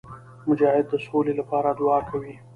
مجاهد د سولي لپاره دعا کوي.